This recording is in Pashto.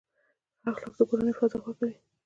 ښه اخلاق د کورنۍ فضا خوږوي.